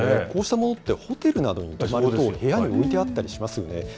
こうしたものってホテルに泊まると部屋に置いてあったりしますよね。